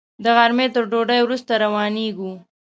د غرمې تر ډوډۍ وروسته روانېږو.